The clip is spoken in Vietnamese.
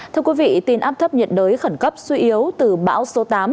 thưa quý vị tin áp thấp nhiệt đới khẩn cấp suy yếu từ bão số tám